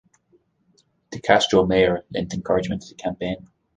De Castro Mayer lent encouragement to the campaign.